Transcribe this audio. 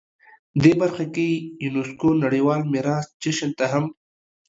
دې برخه کې یونسکو نړیوال میراث جشن ته هم